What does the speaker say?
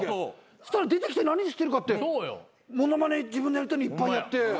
そしたら出てきて何してるかって物まね自分のやりたいのいっぱいやって。